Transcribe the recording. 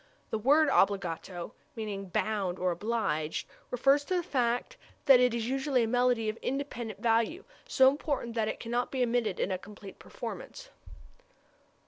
The word obbligato (It. bound, or obliged) refers to the fact that this is usually a melody of independent value, so important that it cannot be omitted in a complete performance.